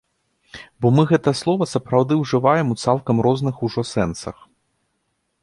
Бо мы гэта слова сапраўды ўжываем у цалкам розных ужо сэнсах.